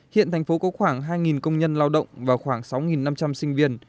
hiện thành phố có khoảng hai công nhân lao động và khoảng sáu năm trăm linh sinh viên